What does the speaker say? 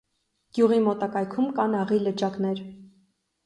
Գյուղի մոտակայքում կան աղի լճակներ։